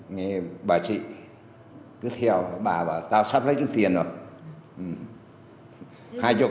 nghe bà chị cứ theo bà bảo ta sắp lấy được tiền rồi